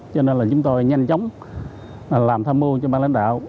cho nên là chúng tôi nhanh chóng làm tham mưu cho ban lãnh đạo